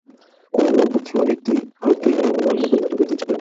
কোন বুদ্ধিমান ব্যক্তিই ভারতকে ইংলণ্ডে পরিণত করিতে ইচ্ছা করেন না।